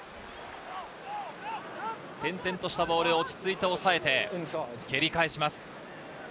転々としたボール、落ち着いておさえて蹴り返します。